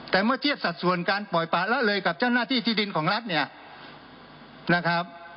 แต่เมื่อเทียบสับส่วนการปล่อยป่าระเลยกับเจ้าหน้าที่ที่ดินของรัฐ